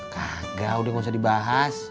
kagak udah gak usah dibahas